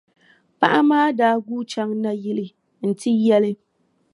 Paɣa maa daa guui chaŋ nayili n-ti yɛli.